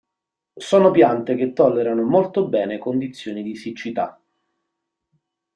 Sono piante che tollerano molto bene condizioni di siccità.